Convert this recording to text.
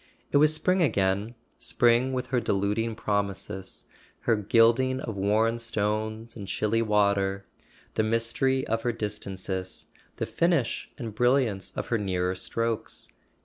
It was spring again, spring with her deluding promises—her gilding of worn stones and chilly water, the mystery of her distances, the finish and brilliance of her nearer strokes.